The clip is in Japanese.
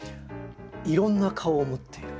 いろんな顔を持っている。